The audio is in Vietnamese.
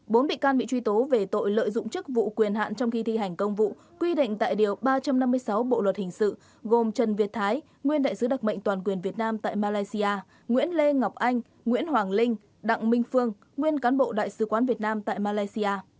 bốn bị can bị truy tố về tội lợi dụng chức vụ quyền hạn trong khi thi hành công vụ quy định tại điều ba trăm năm mươi sáu bộ luật hình sự gồm trần việt thái nguyên đại sứ đặc mệnh toàn quyền việt nam tại malaysia nguyễn lê ngọc anh nguyễn hoàng linh đặng minh phương nguyên cán bộ đại sứ quán việt nam tại malaysia